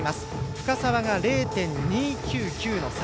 深沢が０．２９９の差。